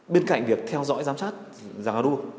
bên cạnh việc theo dõi giám sát giang anua